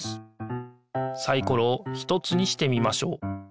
サイコロを１つにしてみましょう。